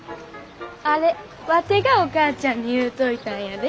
あれワテがお母ちゃんに言うといたんやで。